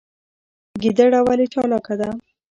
ګیدړه ولې چالاکه ده؟